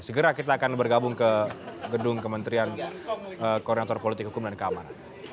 segera kita akan bergabung ke gedung kementerian koordinator politik hukum dan keamanan